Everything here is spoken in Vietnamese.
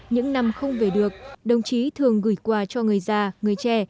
những năm không về được đồng chí thường gửi quà cho người già người trẻ